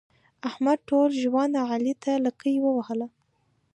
احمد ټول ژوند علي ته لکۍ ووهله.